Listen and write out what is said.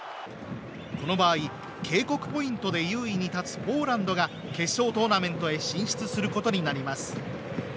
この場合、警告ポイントで優位に立つポーランドが決勝トーナメントへ進出することになります。